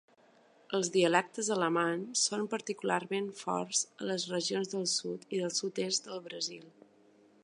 Els dialectes alemanys són particularment forts a les regions del sud i del sud-est del Brasil.